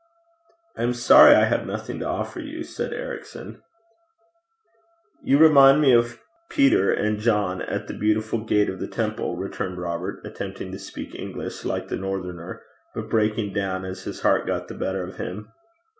'I am sorry I have nothing to offer you,' said Ericson. 'You remind me of Peter and John at the Beautiful Gate of the temple,' returned Robert, attempting to speak English like the Northerner, but breaking down as his heart got the better of him.